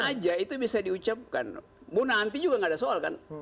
kapan aja itu bisa diucapkan mau nanti juga nggak ada soal kan